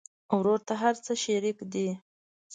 ورور ته هر څه شريک دي.